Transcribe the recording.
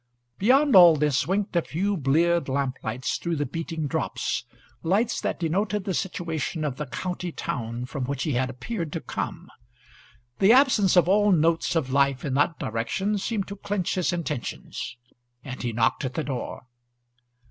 Beyond all this winked a few bleared lamplights through the beating drops, lights that denoted the situation of the county town from which he had appeared to come. The absence of all notes of life in that direction seemed to clinch his intentions, and he knocked at the door.